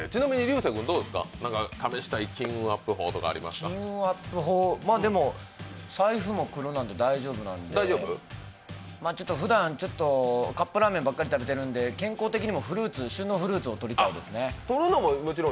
金運アップ法、財布も黒なので大丈夫なので、ふだんカップラーメンばっかり食べてるんで健康的にも旬のフルーツをとりたいですね。